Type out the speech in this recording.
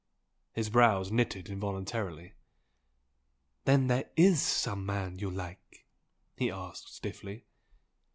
His brows knitted involuntarily. "Then there IS some man you like?" he asked, stiffly.